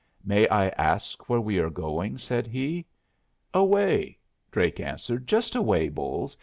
"May I ask where we are going?" said he. "Away," Drake answered. "Just away, Bolles.